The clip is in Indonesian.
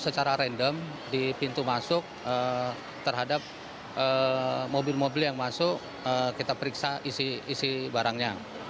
secara random di pintu masuk terhadap mobil mobil yang masuk kita periksa isi barangnya